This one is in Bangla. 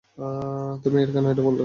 তুমি কেন এটা করলে ডন?